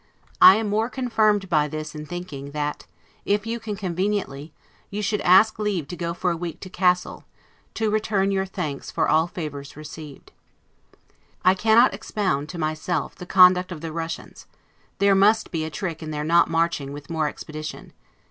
I am more confirmed by this in thinking, that, if you can conveniently, you should ask leave to go for a week to Cassel, to return your thanks for all favors received. I cannot expound to myself the conduct of the Russians. There must be a trick in their not marching with more expedition.